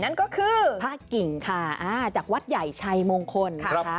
นั่นก็คือพระกิ่งค่ะอ่าจากวัดใหญ่ชัยมงคลนะคะ